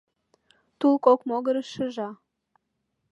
Тул кок могырыш шыжа.